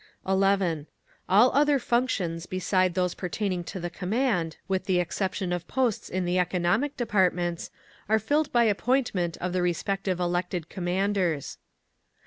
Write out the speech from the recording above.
11. All other functions beside those pertaining to the command, with the exception of posts in the economic departments, are filled by appointment of the respective elected commanders.